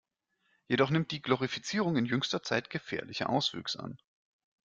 Jedoch nimmt die Glorifizierung in jüngster Zeit gefährliche Auswüchse an.